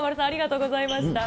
ありがとうございます。